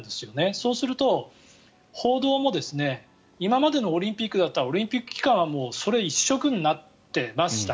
そうすると報道も今までのオリンピックだったらオリンピック期間はそれ一色になっていました。